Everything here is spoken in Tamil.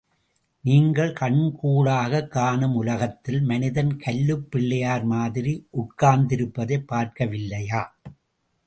நீங்கள் கண்கூடாகக் காணும் உலகத்தில், மனிதன் கல்லுப் பிள்ளையார் மாதிரி உட்கார்ந்திருப்பதைப் பார்க்கவில்லையா?